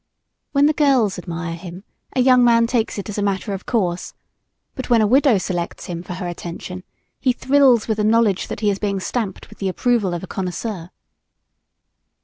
When the girls admire him a young man takes it as a matter of course; but when a widow selects him for her attention he thrills with the knowledge that he is being stamped with the approval of a connoisseur.